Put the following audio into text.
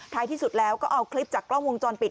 ที่สุดแล้วก็เอาคลิปจากกล้องวงจรปิด